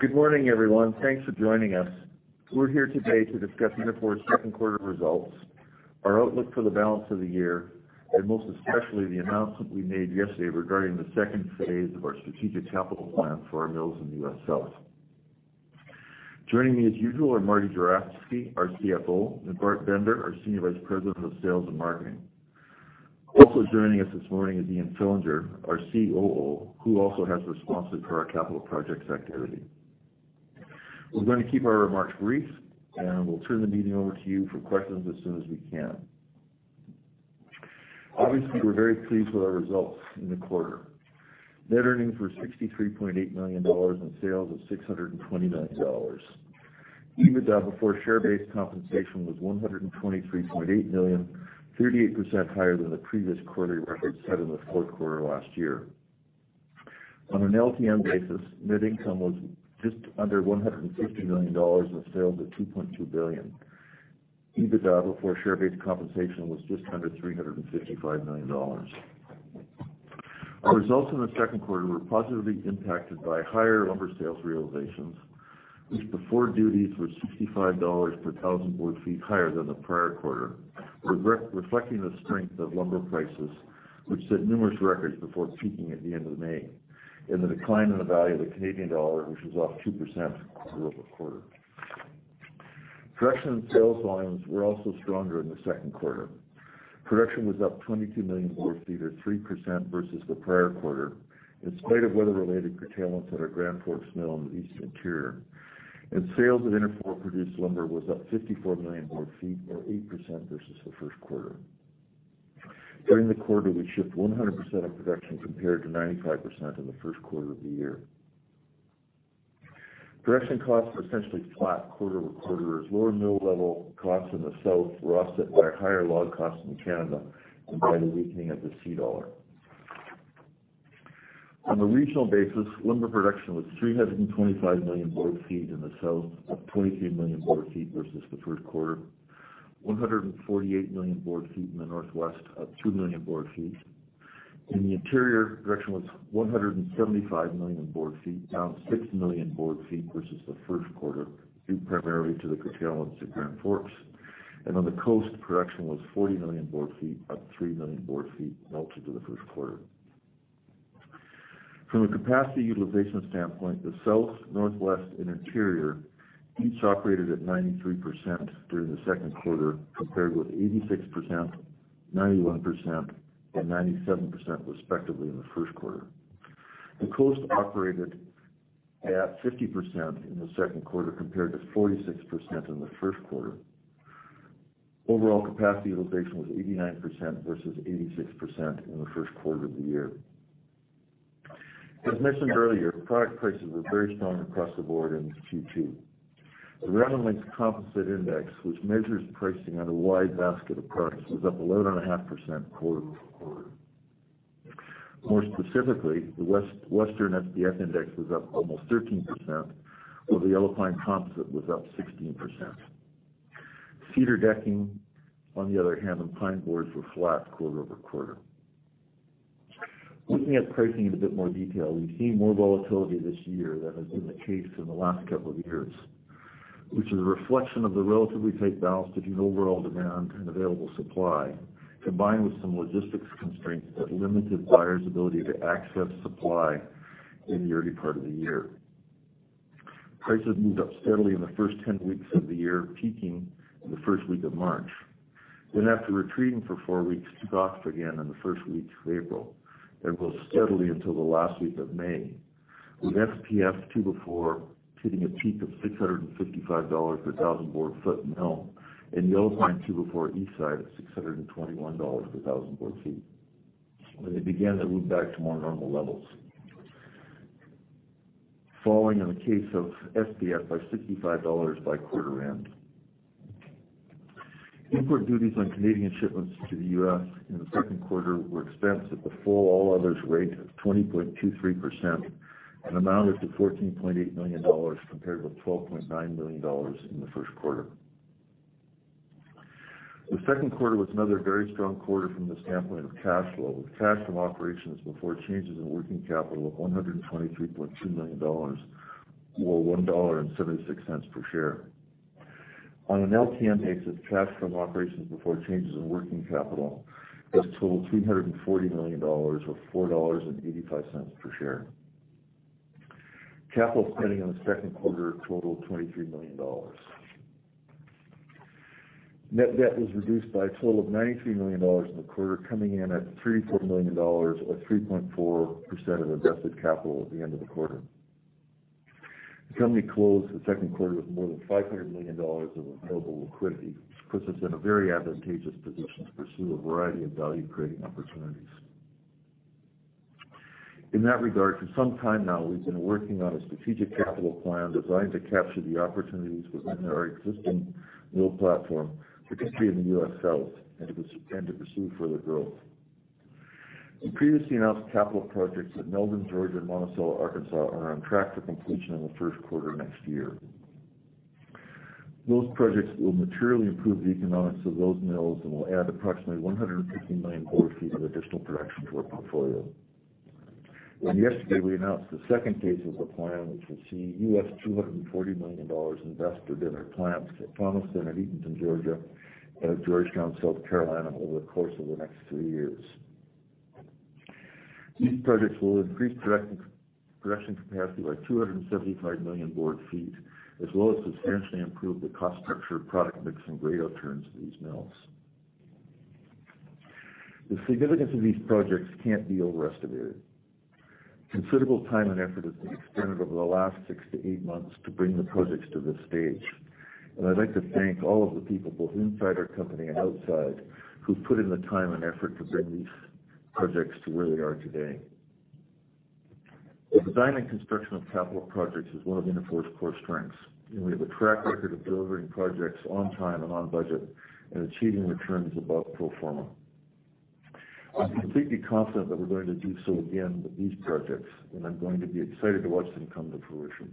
Good morning, everyone. Thanks for joining us. We're here today to discuss Interfor's second quarter results, our outlook for the balance of the year, and most especially, the announcement we made yesterday regarding the second phase of our strategic capital plan for our mills in the U.S. South. Joining me as usual are Marty Juravsky, our CFO, and Bart Bender, our Senior Vice President of Sales and Marketing. Also joining us this morning is Ian Fillinger, our COO, who also has responsibility for our capital projects activity. We're going to keep our remarks brief, and we'll turn the meeting over to you for questions as soon as we can. Obviously, we're very pleased with our results in the quarter. Net earnings were $63.8 million on sales of $620 million. EBITDA before share-based compensation was $123.8 million, 38% higher than the previous quarterly record set in the fourth quarter last year. On an LTM basis, net income was just under $150 million on sales of $2.2 billion. EBITDA before share-based compensation was just under $355 million. Our results in the second quarter were positively impacted by higher lumber sales realizations, which before duties were $65 per thousand board feet higher than the prior quarter, reflecting the strength of lumber prices, which set numerous records before peaking at the end of May, and the decline in the value of the Canadian dollar, which was off 2% quarter-over-quarter. Production and sales volumes were also stronger in the second quarter. Production was up 22 million board feet, or 3% versus the prior quarter, in spite of weather-related curtailments at our Grand Forks mill in the East Interior, and sales of Interfor-produced lumber was up 54 million board feet or 8% versus the first quarter. During the quarter, we shipped 100% of production, compared to 95% in the first quarter of the year. Production costs were essentially flat quarter-over-quarter, as lower mill-level costs in the South were offset by higher log costs in Canada and by the weakening of the C dollar. On a regional basis, lumber production was 325 million board feet in the South, up 23 million board feet versus the first quarter. 148 million board feet in the Northwest, up 2 million board feet. In the Interior, production was 175 million board feet, down 6 million board feet versus the first quarter, due primarily to the curtailments at Grand Forks. On the Coast, production was 40 million board feet, up 3 million board feet relative to the first quarter. From a capacity utilization standpoint, the South, Northwest, and Interior each operated at 93% during the second quarter, compared with 86%, 91%, and 97%, respectively, in the first quarter. The Coast operated at 50% in the second quarter, compared to 46% in the first quarter. Overall capacity utilization was 89% versus 86% in the first quarter of the year. As mentioned earlier, product prices were very strong across the board in Q2. The Random Lengths Composite Index, which measures pricing on a wide basket of products, was up 11.5% quarter-over-quarter. More specifically, the Western SPF index was up almost 13%, while the Yellow Pine composite was up 16%. Cedar decking, on the other hand, and pine boards were flat quarter-over-quarter. Looking at pricing in a bit more detail, we've seen more volatility this year than has been the case in the last couple of years, which is a reflection of the relatively tight balance between overall demand and available supply, combined with some logistics constraints that limited buyers' ability to access supply in the early part of the year. Prices moved up steadily in the first 10 weeks of the year, peaking in the first week of March, then after retreating for 4 weeks, took off again in the first weeks of April and rose steadily until the last week of May, with SPF two-by-four hitting a peak of $655 per thousand board feet in mill and Yellow Pine two-by-four East Side at $621 per thousand board feet. When it began to move back to more normal levels, falling in the case of SPF by $65 by quarter end. Import duties on Canadian shipments to the U.S. in the second quarter were expensed at the full all others rate of 20.23% and amounted to $14.8 million, compared with $12.9 million in the first quarter. The second quarter was another very strong quarter from the standpoint of cash flow, with cash from operations before changes in working capital of $123.2 million, or $1.76 per share. On an LTM basis, cash from operations before changes in working capital has totaled $340 million, or $4.85 per share. Capital spending in the second quarter totaled $23 million. Net debt was reduced by a total of $93 million in the quarter, coming in at $3.4 million or 3.4% of invested capital at the end of the quarter. The company closed the second quarter with more than $500 million of available liquidity, which puts us in a very advantageous position to pursue a variety of value-creating opportunities. In that regard, for some time now, we've been working on a strategic capital plan designed to capture the opportunities within our existing mill platform, particularly in the US South, and to pursue further growth. The previously announced capital projects at Meldrim, Georgia, and Monticello, Arkansas, are on track for completion in the first quarter next year. Those projects will materially improve the economics of those mills and will add approximately 150 million board feet of additional production to our portfolio. And yesterday, we announced the second phase of the plan, which will see $240 million invested in our plants at Thomaston and Eatonton, Georgia, and at Georgetown, South Carolina, over the course of the next three years. These projects will increase production, production capacity by 275 million board feet, as well as substantially improve the cost structure, product mix, and grade returns of these mills. The significance of these projects can't be overestimated. Considerable time and effort has been expended over the last 6-8 months to bring the projects to this stage, and I'd like to thank all of the people, both inside our company and outside, who've put in the time and effort to bring these projects to where they are today. The design and construction of capital projects is one of Interfor's core strengths, and we have a track record of delivering projects on time and on budget and achieving returns above pro forma. I'm completely confident that we're going to do so again with these projects, and I'm going to be excited to watch them come to fruition.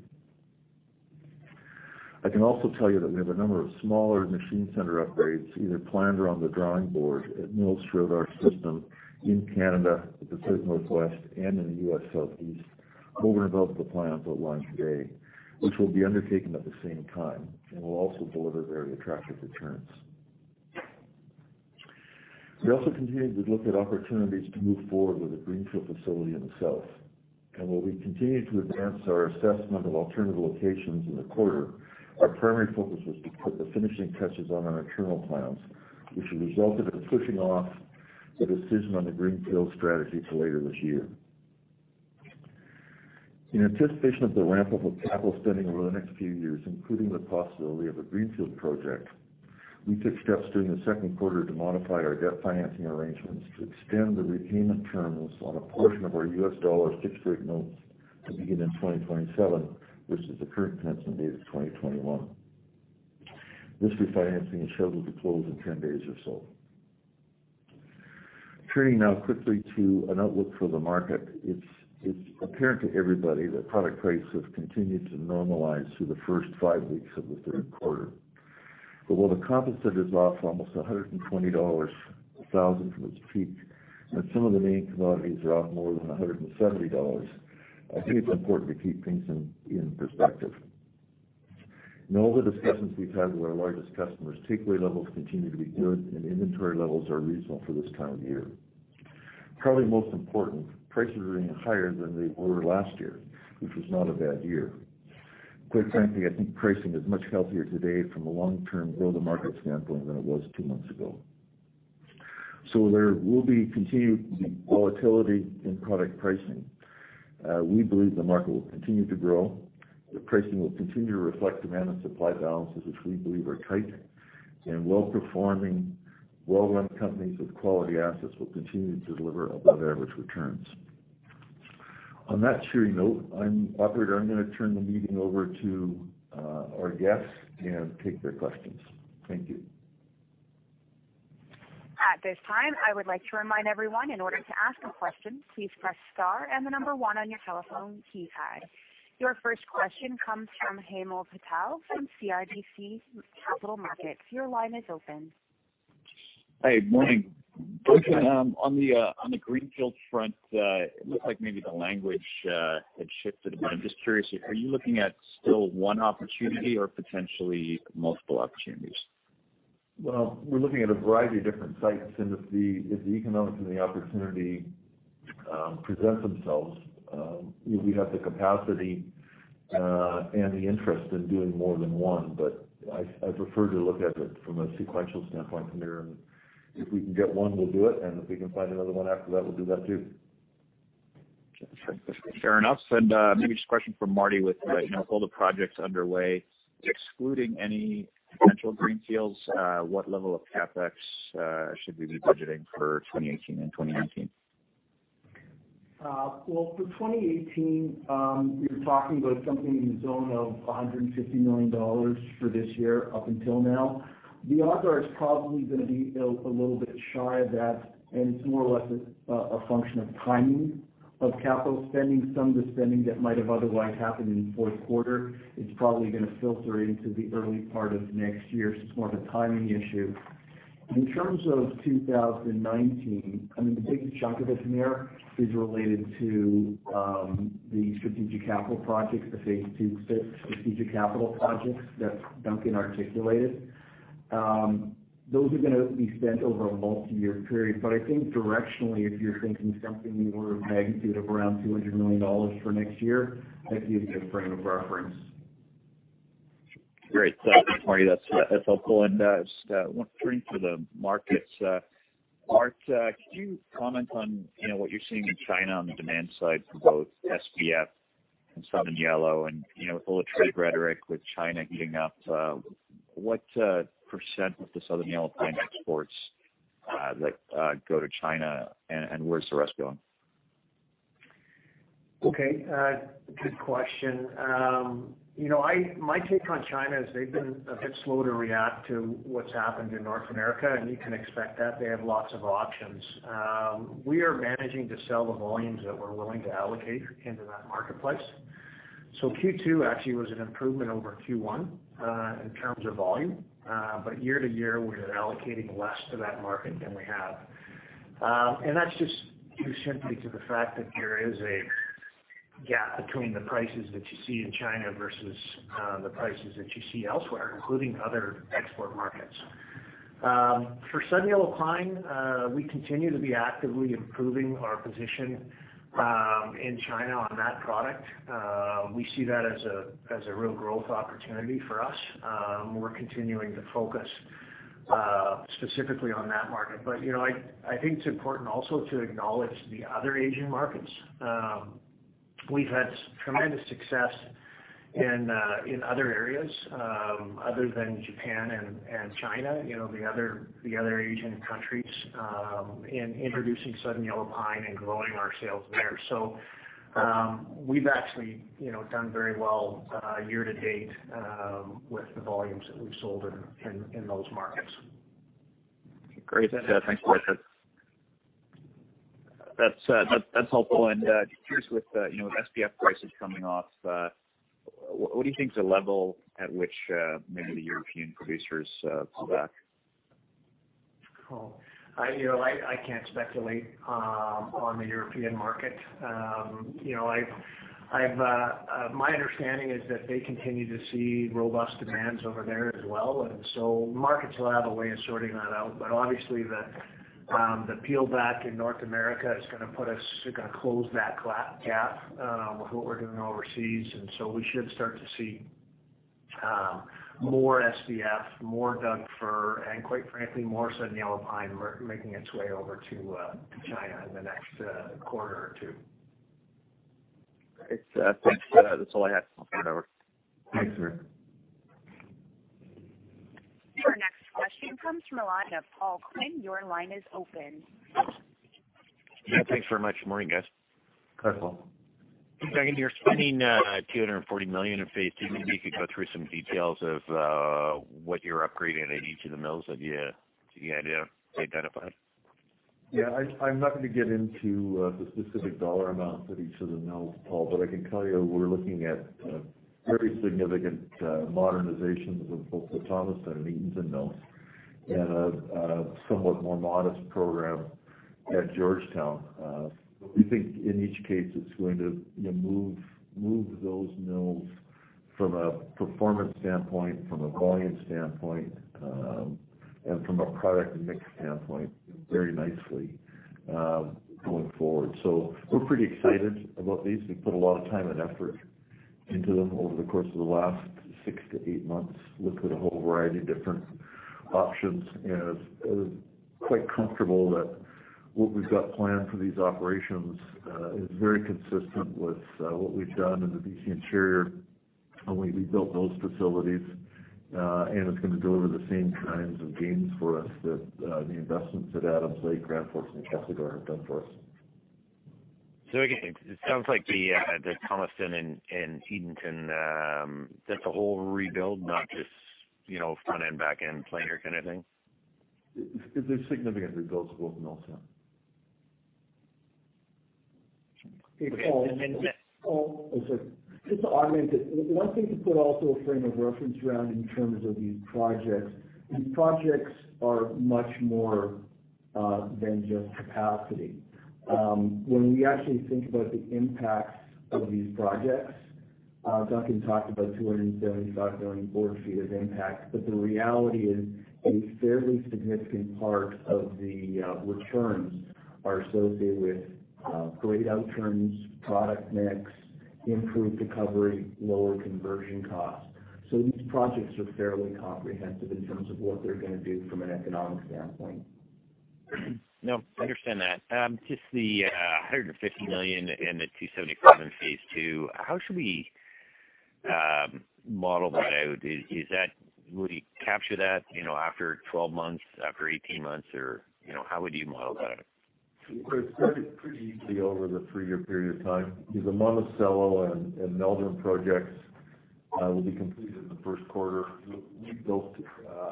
I can also tell you that we have a number of smaller machine center upgrades, either planned or on the drawing board, at mills throughout our system in Canada, the Pacific Northwest, and in the U.S. Southeast, over and above the plans outlined today, which will be undertaken at the same time and will also deliver very attractive returns. We also continue to look at opportunities to move forward with a greenfield facility in the South. And while we continue to advance our assessment of alternative locations in the quarter, our primary focus was to put the finishing touches on our internal plans, which resulted in pushing off the decision on the greenfield strategy to later this year. In anticipation of the ramp-up of capital spending over the next few years, including the possibility of a greenfield project, we took steps during the second quarter to modify our debt financing arrangements to extend the repayment terms on a portion of our US dollar fixed-rate notes to begin in 2027, versus the current commencement date of 2021. This refinancing is scheduled to close in 10 days or so. Turning now quickly to an outlook for the market, it's, it's apparent to everybody that product prices have continued to normalize through the first 5 weeks of the third quarter. But while the composite is off almost $120 a thousand from its peak, and some of the main commodities are off more than $170, I think it's important to keep things in, in perspective. In all the discussions we've had with our largest customers, takeaway levels continue to be good, and inventory levels are reasonable for this time of year. Probably most important, prices are even higher than they were last year, which was not a bad year. Quite frankly, I think pricing is much healthier today from a long-term grow the market standpoint than it was two months ago. So there will be continued volatility in product pricing. We believe the market will continue to grow, the pricing will continue to reflect demand and supply balances, which we believe are tight, and well-performing, well-run companies with quality assets will continue to deliver above-average returns. On that cheery note, operator, I'm gonna turn the meeting over to our guests and take their questions. Thank you. At this time, I would like to remind everyone, in order to ask a question, please press star and the number one on your telephone keypad. Your first question comes from Hamir Patel from CIBC Capital Markets. Your line is open. Hey, morning. Good morning. On the greenfield front, it looks like maybe the language had shifted, but I'm just curious, are you looking at still one opportunity or potentially multiple opportunities? Well, we're looking at a variety of different sites, and if the economics and the opportunity present themselves, we have the capacity and the interest in doing more than one. But I prefer to look at it from a sequential standpoint, Hamir. And if we can get one, we'll do it, and if we can find another one after that, we'll do that too. Fair enough. And, maybe just a question from Marty with, you know, all the projects underway, excluding any potential greenfields, what level of CapEx should we be budgeting for 2018 and 2019? Well, for 2018, we were talking about something in the zone of $150 million for this year up until now. The odds are it's probably gonna be a little bit shy of that, and it's more or less a function of timing of capital spending. Some of the spending that might have otherwise happened in the fourth quarter is probably gonna filter into the early part of next year. So it's more of a timing issue. In terms of 2019, I mean, the biggest chunk of it, Marty, is related to the strategic capital projects, the phase two strategic capital projects that Duncan articulated. Those are gonna be spent over a multiyear period, but I think directionally, if you're thinking something in the order of magnitude of around $200 million for next year, that gives you a frame of reference. Great. So Marty, that's, that's helpful. And just now turning to the markets, Bart, could you comment on, you know, what you're seeing in China on the demand side for both SPF and southern yellow? And, you know, with all the trade rhetoric with China heating up, what % of the southern yellow pine exports that go to China, and where's the rest going? Okay, good question. You know, my take on China is they've been a bit slow to react to what's happened in North America, and you can expect that. They have lots of options. We are managing to sell the volumes that we're willing to allocate into that marketplace. ... So Q2 actually was an improvement over Q1 in terms of volume. But year to year, we're allocating less to that market than we have. And that's just due simply to the fact that there is a gap between the prices that you see in China versus the prices that you see elsewhere, including other export markets. For Southern Yellow Pine, we continue to be actively improving our position in China on that product. We see that as a real growth opportunity for us. We're continuing to focus specifically on that market. But, you know, I think it's important also to acknowledge the other Asian markets. We've had tremendous success in other areas other than Japan and China, you know, the other Asian countries in introducing Southern Yellow Pine and growing our sales there. So, we've actually, you know, done very well year to date with the volumes that we've sold in those markets. Great. Thanks for that. That's helpful. And just with, you know, with SPF prices coming off, what do you think is the level at which maybe the European producers pull back? Oh, you know, I can't speculate on the European market. You know, my understanding is that they continue to see robust demand over there as well, and so markets will have a way of sorting that out. But obviously, the pullback in North America is gonna close that gap with what we're doing overseas. And so we should start to see more SPF, more Doug fir, and quite frankly, more Southern Yellow Pine making its way over to China in the next quarter or two. Great. Thanks. That's all I had. I'll hand it over. Thanks, sir. Our next question comes from the line of Paul Quinn. Your line is open. Yeah, thanks very much. Good morning, guys. Hi, Paul. Second to you. Spending $240 million in phase II, maybe you could go through some details of what you're upgrading at each of the mills. Have you, do you have any idea identified? Yeah, I'm not gonna get into the specific dollar amounts at each of the mills, Paul, but I can tell you we're looking at very significant modernizations of both the Thomaston and Eatonton mills, and a somewhat more modest program at Georgetown. We think in each case, it's going to, you know, move those mills from a performance standpoint, from a volume standpoint, and from a product and mix standpoint, very nicely, going forward. So we're pretty excited about these. We've put a lot of time and effort into them over the course of the last six to eight months. We've put a whole variety of different options, and I'm quite comfortable that what we've got planned for these operations is very consistent with what we've done in the BC interior when we rebuilt those facilities, and it's gonna deliver the same kinds of gains for us that the investments at Adams Lake, Grand Forks, and Castlegar have done for us. So again, it sounds like the Thomaston and Eatonton, that's a whole rebuild, not just, you know, front-end, back-end planer kind of thing? They're significant rebuilds for both mills, yeah. Okay, and then- Paul, Paul, I'm sorry. Just to augment it, one thing to put also a frame of reference around in terms of these projects, these projects are much more than just capacity. When we actually think about the impacts of these projects, Duncan talked about 275 million board feet as impact, but the reality is, a fairly significant part of the returns are associated with grade outturns, product mix, improved recovery, lower conversion costs. So these projects are fairly comprehensive in terms of what they're gonna do from an economic standpoint. No, I understand that. Just the $150 million and the $275 million in phase II, how should we model that out? Is that - would we capture that, you know, after 12 months, after 18 months, or, you know, how would you model that out? It's pretty, pretty easily over the three-year period of time. The Monticello and Meldrim projects will be completed in the first quarter. We've built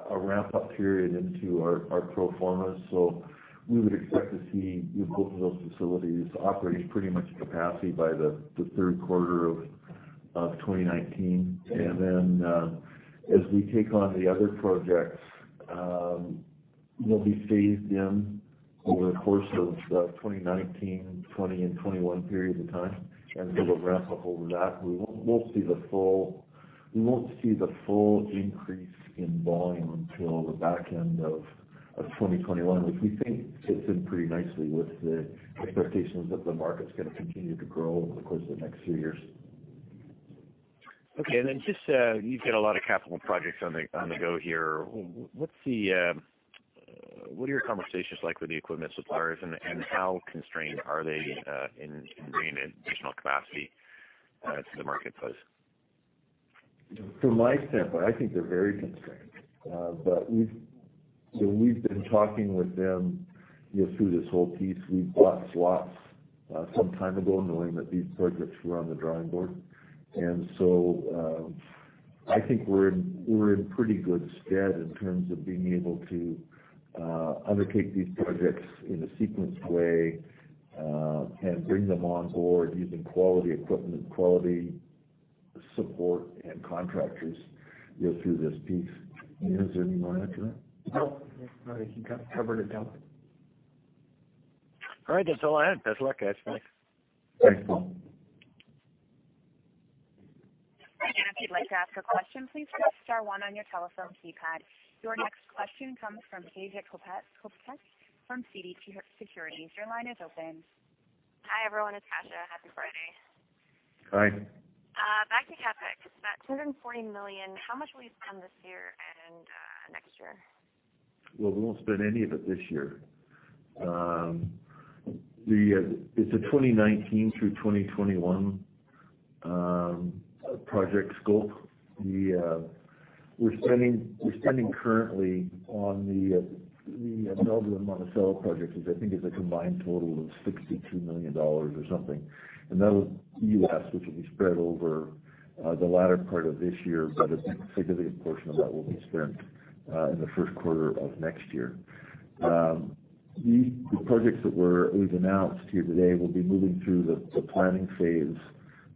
a ramp-up period into our pro forma, so we would expect to see both of those facilities operating pretty much capacity by the third quarter of 2019. And then, as we take on the other projects, we'll be phased in over the course of 2019, 2020, and 2021 period of time, and so we'll ramp up over that. We won't see the full increase in volume until the back end of 2021, which we think fits in pretty nicely with the expectations that the market's gonna continue to grow over the course of the next few years. Okay. And then just, you've got a lot of capital projects on the go here. What's the, what are your conversations like with the equipment suppliers, and how constrained are they in bringing in additional capacity to the marketplace? From my standpoint, I think they're very constrained. But we've been talking with them, you know, through this whole piece. We bought slots, some time ago knowing that these projects were on the drawing board. And so, I think we're in pretty good stead in terms of being able to undertake these projects in a sequenced way, and bring them on board using quality equipment, quality support and contractors, you know, through this piece. Is there any more after that? No, I think you kind of covered it, Duncan. All right, that's all I had. Best of luck, guys. Thanks. Thanks, Paul. If you'd like to ask a question, please press star one on your telephone keypad. Your next question comes from Sean Steuart from TD Securities. Your line is open. Hi, everyone, it's Sasha. Happy Friday. Hi. Back to CapEx, that $240 million, how much will you spend this year and next year? Well, we won't spend any of it this year. It's a 2019 through 2021 project scope. We're spending currently on the Meldrim Monticello project is I think a combined total of $62 million or something. And that was U.S., which will be spread over the latter part of this year, but a significant portion of that will be spent in the first quarter of next year. The projects that we've announced here today will be moving through the planning phase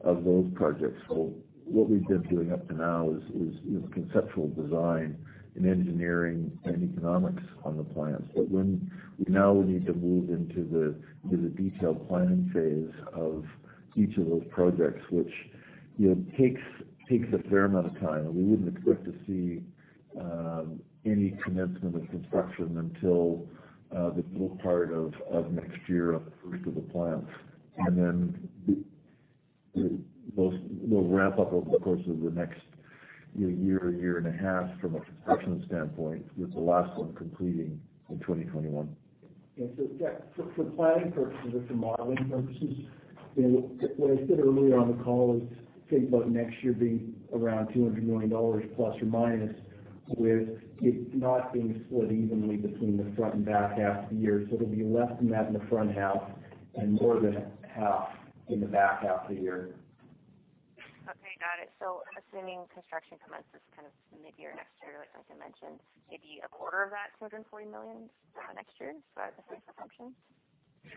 of those projects. Well, what we've been doing up to now is, you know, conceptual design and engineering and economics on the plants. But when we now need to move into the detailed planning phase of each of those projects, which, you know, takes a fair amount of time, and we wouldn't expect to see any commencement of construction until the middle part of next year on the first of the plants. And then those will wrap up over the course of the next year, year and a half from a construction standpoint, with the last one completing in 2021. And so, Tak, for planning purposes, for modeling purposes, you know, what I said earlier on the call is think about next year being around $200 million, plus or minus, with it not being split evenly between the front and back half of the year. So it'll be less than that in the front half and more than half in the back half of the year. Okay, got it. So I'm assuming construction commences kind of mid-year next year, like Duncan mentioned, maybe a quarter of that $240 million for next year, so I would say for function?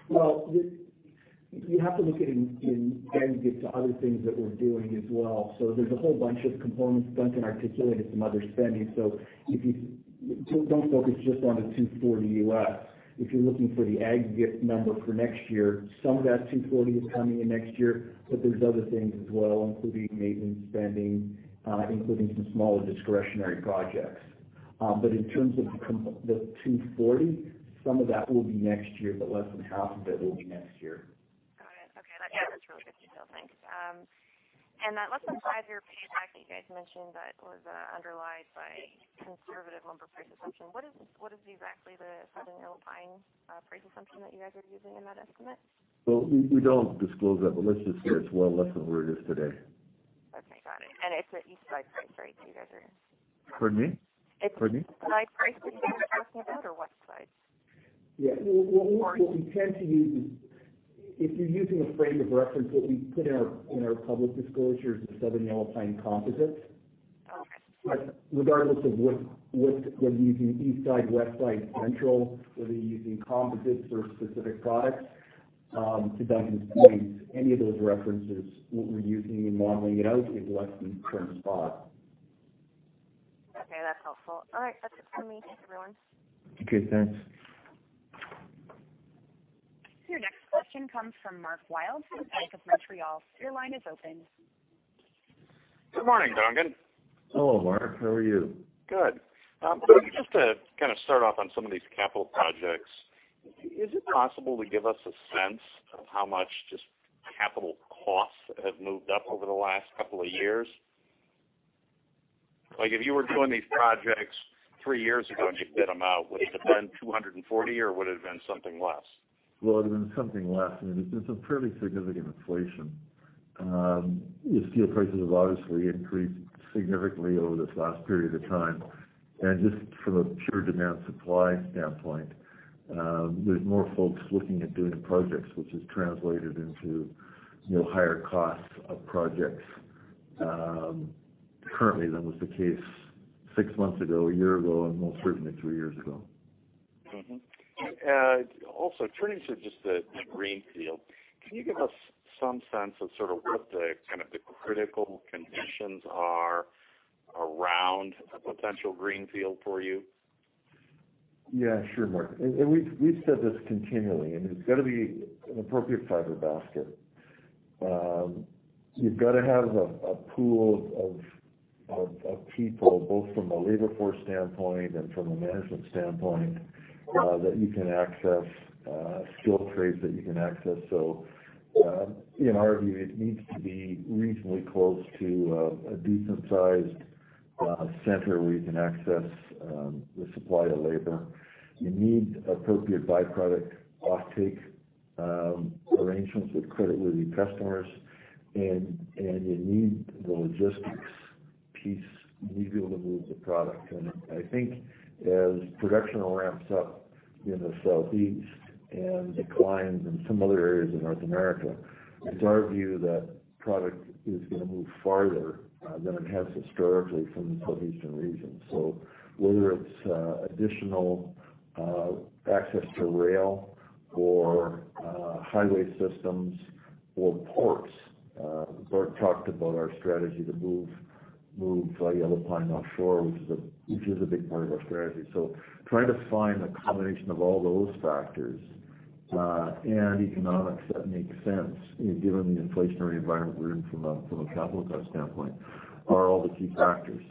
Well, you have to look at it in aggregate to other things that we're doing as well. So there's a whole bunch of components. Duncan articulated some other spending. So if you don't focus just on the $240. If you're looking for the aggregate number for next year, some of that $240 is coming in next year, but there's other things as well, including maintenance spending, including some smaller discretionary projects. But in terms of the $240, some of that will be next year, but less than half of it will be next year. Got it. Okay, that's really good detail. Thanks. And that less than 5-year payback that you guys mentioned that was, underlined by conservative lumber price assumption. What is, what is exactly the Southern Yellow Pine, price assumption that you guys are using in that estimate? Well, we don't disclose that, but let's just say it's well less than where it is today. Okay, got it. It's an east side price, right? You guys are- Pardon me? Pardon me. It's side price or what side? Yeah. What, what we tend to use is if you're using a frame of reference, what we put in our, in our public disclosure is the Southern Yellow Pine composites. Okay. But regardless of what-- whether you're using East Side, West Side, Central, whether you're using composites or specific products, to Duncan's point, any of those references, what we're using in modeling it out, is less than current spot. Okay, that's helpful. All right, that's it for me, everyone. Okay, thanks. Your next question comes from Mark Wilde from Bank of Montreal. Your line is open. Good morning, Duncan. Hello, Mark, how are you? Good. Let me just to kind of start off on some of these capital projects, is it possible to give us a sense of how much just capital costs have moved up over the last couple of years? Like, if you were doing these projects three years ago, and you bid them out, would it have been $240, or would it have been something less? Well, it would have been something less. I mean, it's a fairly significant inflation. The steel prices have obviously increased significantly over this last period of time. And just from a pure demand supply standpoint, there's more folks looking at doing projects, which has translated into, you know, higher costs of projects, currently than was the case six months ago, a year ago, and most certainly two years ago. Mm-hmm. And also turning to just the greenfield, can you give us some sense of sort of what the kind of the critical conditions are around a potential greenfield for you? Yeah, sure, Mark, and we've said this continually, and it's got to be an appropriate fiber basket. You've got to have a pool of people, both from a labor force standpoint and from a management standpoint, that you can access, skill trades that you can access. So, in our view, it needs to be reasonably close to a decent-sized center where you can access the supply of labor. You need appropriate byproduct offtake arrangements with creditworthy customers, and you need the logistics piece—you need to be able to move the product. And I think as production ramps up in the Southeast and declines in some other areas of North America, it's our view that product is gonna move farther than it has historically from the Southeastern region. So whether it's additional access to rail or highway systems or ports, Bart talked about our strategy to move Yellow Pine offshore, which is a big part of our strategy. So trying to find a combination of all those factors and economics that make sense, given the inflationary environment we're in from a capital cost standpoint, are all the key factors.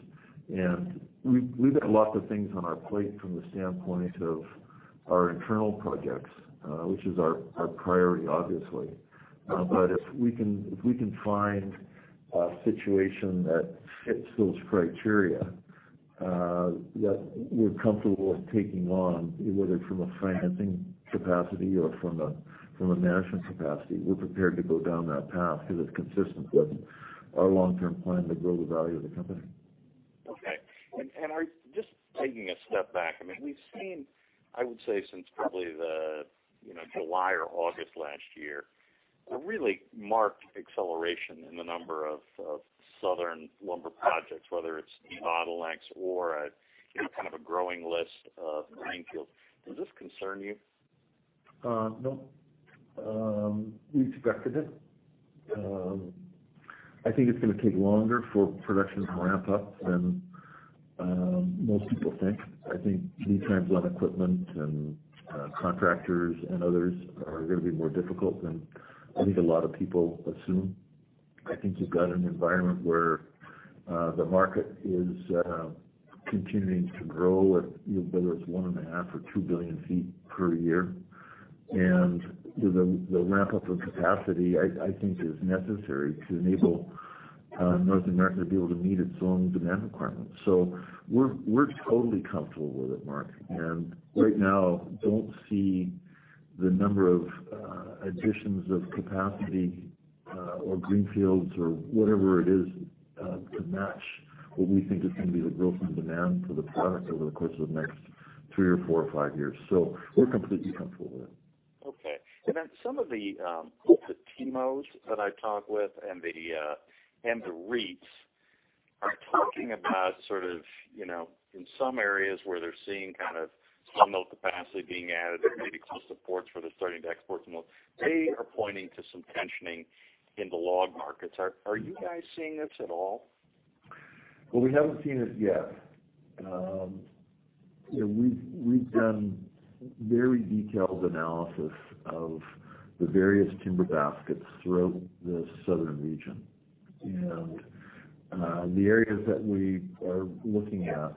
And we've got lots of things on our plate from the standpoint of our internal projects, which is our priority, obviously. But if we can, if we can find a situation that fits those criteria, that we're comfortable with taking on, whether from a financing capacity or from a, from a management capacity, we're prepared to go down that path because it's consistent with our long-term plan to grow the value of the company. Okay. Are—just taking a step back, I mean, we've seen, I would say, since probably the, you know, July or August last year, a really marked acceleration in the number of southern lumber projects, whether it's bottlenecks or a, you know, kind of a growing list of green fields. Does this concern you? No. We expected it. I think it's gonna take longer for production to ramp up than most people think. I think lead times on equipment and contractors and others are gonna be more difficult than I think a lot of people assume. I think you've got an environment where the market is continuing to grow at, you know, whether it's 1.5-2 billion feet per year. And the ramp up of capacity I think is necessary to enable North America to be able to meet its own demand requirements. So we're, we're totally comfortable with it, Mark, and right now, don't see the number of additions of capacity or greenfields or whatever it is to match what we think is gonna be the growth in demand for the product over the course of the next three or four or five years. So we're completely comfortable with it. Okay. And then some of the TIMOs that I talk with and the REITs are talking about sort of, you know, in some areas where they're seeing kind of sawmill capacity being added or maybe close supports where they're starting to export more. They are pointing to some tensioning in the log markets. Are you guys seeing this at all? Well, we haven't seen it yet. You know, we've done very detailed analysis of the various timber baskets throughout the southern region. And the areas that we are looking at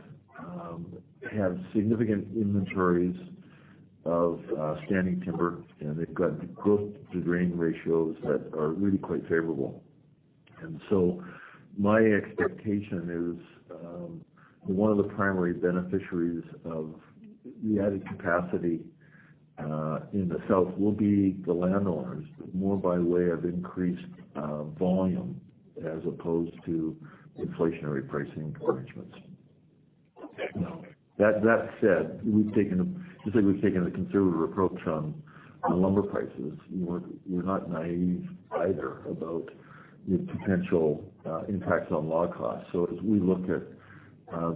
have significant inventories of standing timber, and they've got growth-to-drain ratios that are really quite favorable. And so my expectation is, one of the primary beneficiaries of the added capacity in the South will be the landowners, more by way of increased volume as opposed to inflationary pricing arrangements. Okay. That said, we've taken, just like we've taken a conservative approach on the lumber prices, we're not naive either about the potential impacts on log costs. So as we look at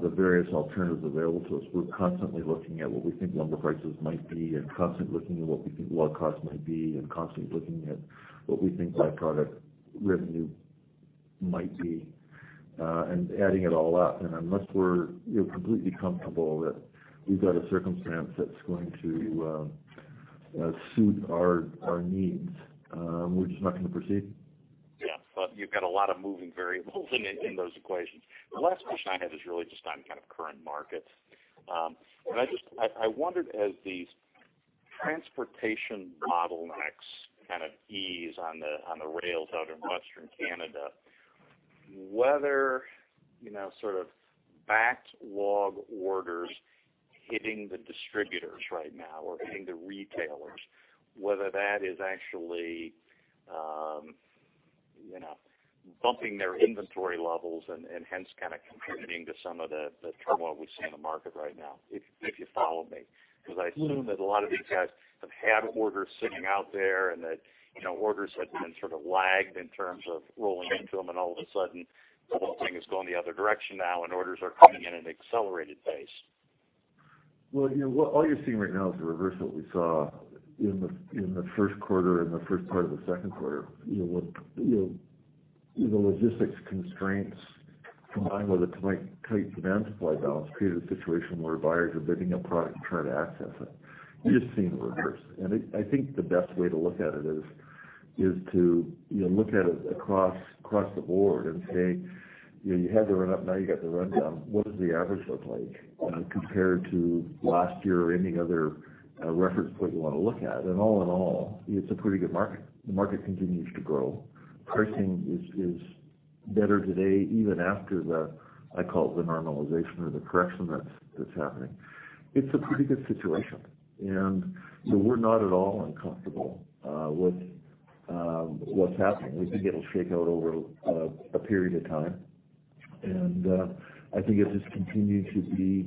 the various alternatives available to us, we're constantly looking at what we think lumber prices might be and constantly looking at what we think log costs might be, and constantly looking at what we think by-product revenue might be, and adding it all up. And unless we're, you know, completely comfortable that we've got a circumstance that's going to suit our needs, we're just not going to proceed. Yeah. But you've got a lot of moving variables in those equations. The last question I have is really just on kind of current markets. And I just wondered as these transportation bottlenecks kind of ease on the rails out in Western Canada, whether, you know, sort of backed log orders hitting the distributors right now or hitting the retailers, whether that is actually, you know, bumping their inventory levels and hence, kind of contributing to some of the turmoil we see in the market right now, if you follow me. Because I assume that a lot of these guys have had orders sitting out there and that, you know, orders had been sort of lagged in terms of rolling into them, and all of a sudden, the whole thing is going the other direction now, and orders are coming in an accelerated pace. Well, you know, what all you're seeing right now is the reverse of what we saw in the first quarter and the first part of the second quarter. You know, what, you know, the logistics constraints, combined with a tight, tight demand supply balance, created a situation where buyers are bidding up product and trying to access it. You're just seeing the reverse. I, I think the best way to look at it is, is to, you know, look at it across, across the board and say, "You know, you had the run up, now you got the run down. What does the average look like, compared to last year or any other reference point you want to look at?" All in all, it's a pretty good market. The market continues to grow. Pricing is better today, even after the, I call it the normalization or the correction that's happening. It's a pretty good situation, and so we're not at all uncomfortable with what's happening. We think it'll shake out over a period of time. I think it just continues to be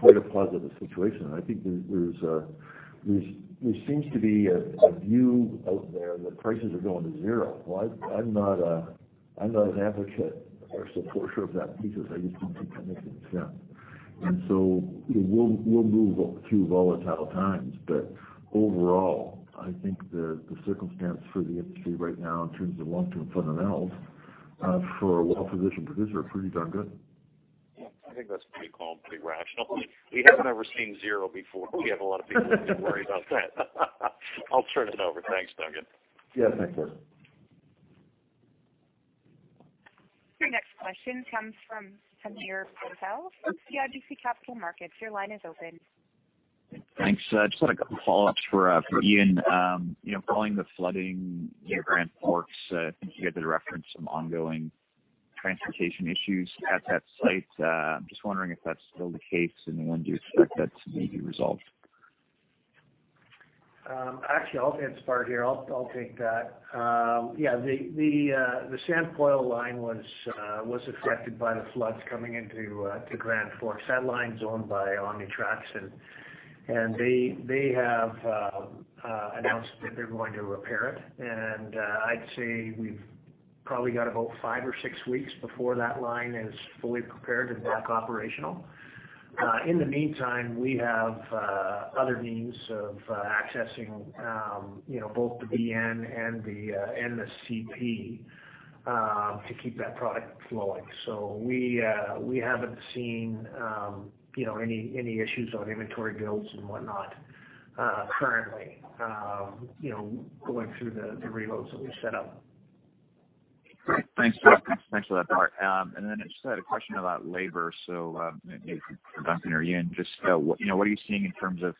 quite a positive situation. I think there's a view out there that prices are going to zero. Well, I'm not an advocate or supporter of that thesis. I just don't think that makes any sense. You know, we'll move through volatile times, but overall, I think the circumstance for the industry right now in terms of long-term fundamentals for a well-positioned producer are pretty darn good. Yeah, I think that's pretty calm, pretty rational. We haven't ever seen zero before. We have a lot of people who worry about that. I'll turn it over. Thanks, Duncan. Yeah, thanks, sir. Your next question comes from Hamir Patel from CIBC Capital Markets. Your line is open. Thanks. I just had a couple follow-ups for Ian. You know, following the flooding in Grand Forks, I think you had to reference some ongoing transportation issues at that site. I'm just wondering if that's still the case, and when do you expect that to be resolved? Actually, I'll answer, Bart, here. I'll take that. Yeah, the San Poil line was affected by the floods coming into Grand Forks. That line's owned by OmniTRAX, and they have announced that they're going to repair it. And I'd say we've probably got about five or six weeks before that line is fully prepared and back operational. In the meantime, we have other means of accessing you know both the BN and the CP to keep that product flowing. So we haven't seen you know any issues on inventory builds and whatnot currently you know going through the reloads that we've set up. Great. Thanks for that. Thanks for that, Bart. And then I just had a question about labor. So, for Duncan or Ian, just, you know, what are you seeing in terms of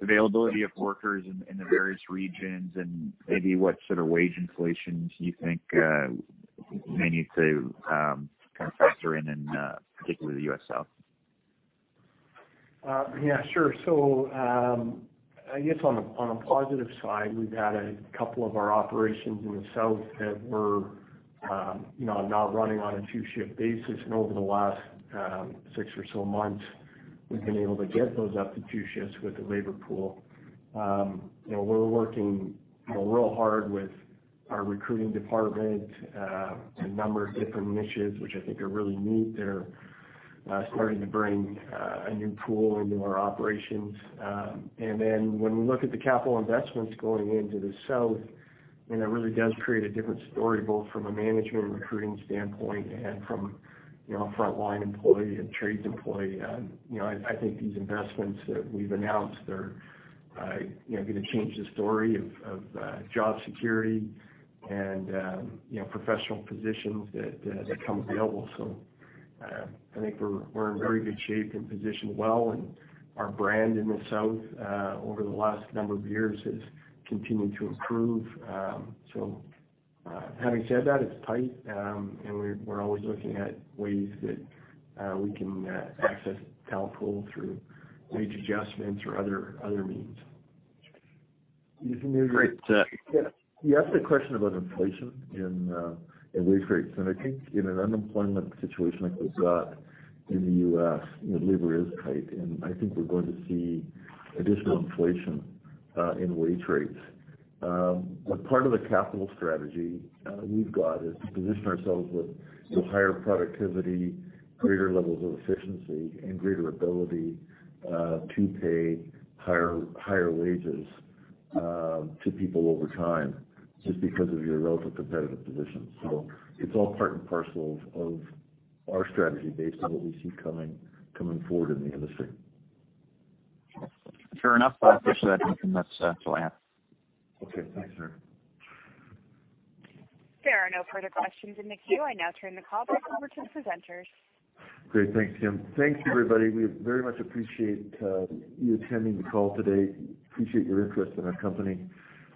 availability of workers in, in the various regions, and maybe what sort of wage inflations you think may need to kind of factor in, in, particularly the U.S. South? Yeah, sure. So, I guess on a positive side, we've had a couple of our operations in the South that were, you know, not running on a two-shift basis. And over the last, six or so months, we've been able to get those up to two shifts with the labor pool. You know, we're working, you know, real hard with our recruiting department, a number of different niches, which I think are really neat. They're starting to bring a new pool into our operations. And then when we look at the capital investments going into the South, and it really does create a different story, both from a management and recruiting standpoint, and from, you know, a frontline employee and trades employee. You know, I think these investments that we've announced are, you know, gonna change the story of job security and, you know, professional positions that become available. So, I think we're in very good shape and positioned well, and our brand in the South over the last number of years has continued to improve. So, having said that, it's tight, and we're always looking at ways that we can access talent pool through wage adjustments or other means. You can hear great. Yeah. You asked a question about inflation in wage rates, and I think in an unemployment situation like we've got in the U.S., you know, labor is tight, and I think we're going to see additional inflation in wage rates. But part of the capital strategy we've got is to position ourselves with higher productivity, greater levels of efficiency, and greater ability to pay higher wages to people over time, just because of your relative competitive position. So it's all part and parcel of our strategy based on what we see coming forward in the industry. Fair enough. Actually, that's, that's all I have. Okay. Thanks, sir. There are no further questions in the queue. I now turn the call back over to the presenters. Great. Thanks, Kim. Thanks, everybody. We very much appreciate you attending the call today. Appreciate your interest in our company.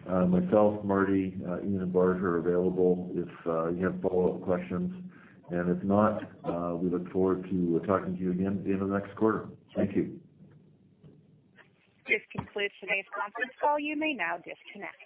Myself, Marty, Ian, and Bart are available if you have follow-up questions. And if not, we look forward to talking to you again at the end of next quarter. Thank you. This concludes today's conference call. You may now disconnect.